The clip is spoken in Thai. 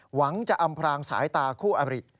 หวังจะอำพรางสายตาคู่อบริ